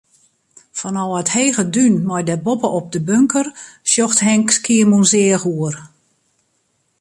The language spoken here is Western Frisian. Fanôf it hege dún mei dêr boppe-op de bunker, sjocht Henk Skiermûntseach oer.